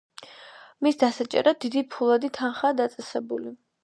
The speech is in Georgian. მის დასაჭერად დიდი ფულადი თანხაა დაწესებული.